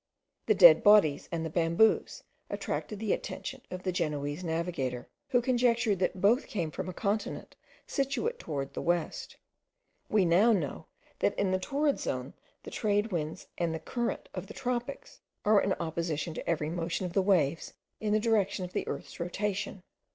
The dead bodies and the bamboos attracted the attention of the Genoese navigator, who conjectured that both came from a continent situate towards the west. We now know that in the torrid zone the trade winds and the current of the tropics are in opposition to every motion of the waves in the direction of the earth's rotation.